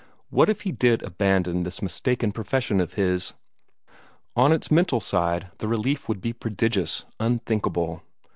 What if he did abandon this mistaken profession of his? On its mental side the relief would be prodigious, unthinkable.